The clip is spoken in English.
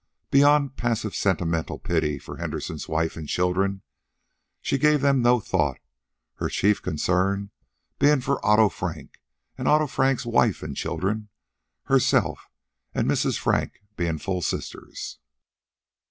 Beyond passive sentimental pity for Henderson's wife and children, she gave them no thought, her chief concern being for Otto Frank and Otto Frank's wife and children herself and Mrs. Frank being full sisters.